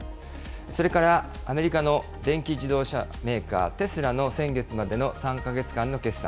それからアメリカの電気自動車メーカー、テスラの先月までの３か月間の決算。